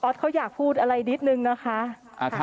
เขาอยากพูดอะไรนิดนึงนะคะ